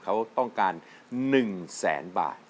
เขาต้องการ๑แสนบาท